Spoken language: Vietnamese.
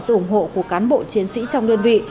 sự ủng hộ của cán bộ chiến sĩ trong đơn vị